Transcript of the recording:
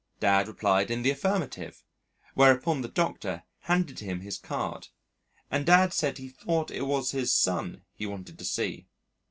Dad replied in the affirmative, whereupon the Doctor handed him his card, and Dad said he thought it was his son he wanted to see.